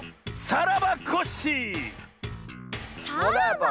「さらばコッシー」？